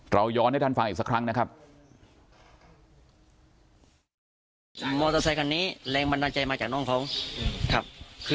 ย้อนให้ท่านฟังอีกสักครั้งนะครับ